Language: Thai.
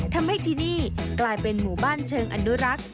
ทำให้ที่นี่กลายเป็นหมู่บ้านเชิงอนุรักษ์